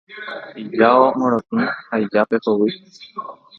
ijao morotĩ ha ijape hovy